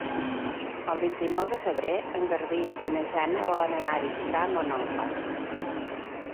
El vint-i-nou de febrer en Garbí i na Jana volen anar a visitar mon oncle.